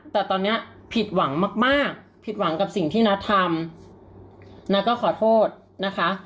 แต่ตอนนี้ผิดหวังมากมากผิดหวังกับสิ่งที่นัททำน้าก็ขอโทษนะคะ